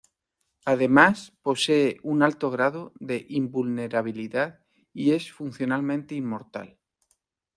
Además, posee un alto grado de invulnerabilidad y es funcionalmente inmortal.